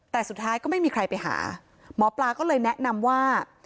แต่สุดท้ายก็ไม่มีใครไปหาหมอปลาก็เลยแนะนำว่า